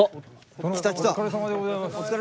お疲れさまでございます皆様。